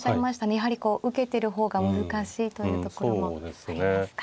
やはりこう受けてる方が難しいというところもありますか。